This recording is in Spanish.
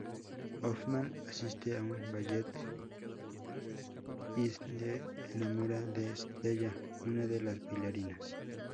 Hoffmann asiste a un ballet y se enamora de Stella, una de las bailarinas.